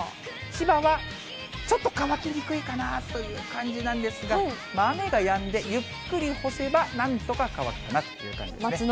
千葉はちょっと乾きにくいかなという感じなんですが、雨がやんで、ゆっくり干せば、なんとか乾くかなという感じですね。